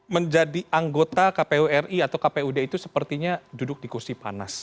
menjadi anggota kpu ri atau kpud itu sepertinya duduk di kursi panas